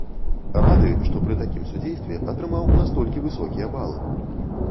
Рады, што пры такім судзействе атрымаў настолькі высокія балы.